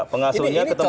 pengasuhnya ke tempat lain